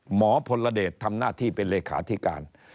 พลเดชทำหน้าที่เป็นเลขาธิการ